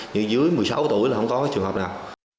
thì dưới một mươi sáu tuổi là không có trường hợp nào